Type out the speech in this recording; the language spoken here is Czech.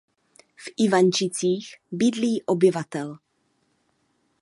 V Ivančicích bydlí obyvatel.